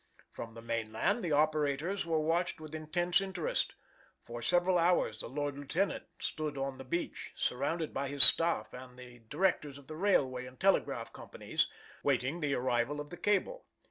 "From the mainland the operations were watched with intense interest. For several hours the Lord Lieutenant stood on the beach, surrounded by his staff and the directors of the railway and telegraph companies, waiting the arrival of the cable.